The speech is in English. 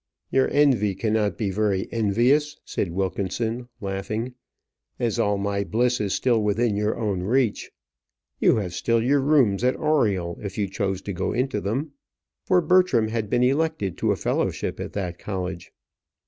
"Your envy cannot be very envious," said Wilkinson, laughing, "as all my bliss is still within your own reach. You have still your rooms at Oriel if you choose to go into them." For Bertram had been elected to a fellowship at that college.